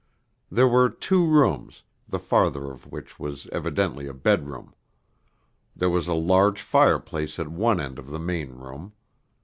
There were two rooms, the farther of which was evidently a bedroom. There was a large fireplace at one end of the main room.